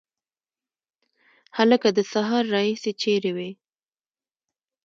هلکه د سهار راهیسي چیري وې؟